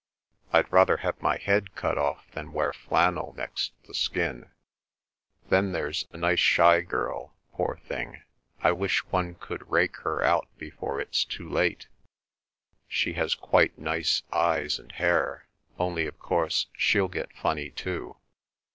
I'd rather have my head cut off than wear flannel next the skin.) Then there's a nice shy girl—poor thing—I wish one could rake her out before it's too late. She has quite nice eyes and hair, only, of course, she'll get funny too.